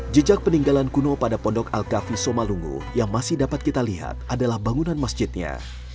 jejak peninggalan kuno pada pondok al kafi somalungu yang masih dapat kita lihat adalah bangunan masjidnya